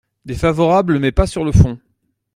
Défavorable, mais pas sur le fond.